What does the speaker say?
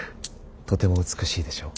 とても美しいでしょう。